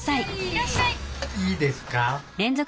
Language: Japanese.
いいですか？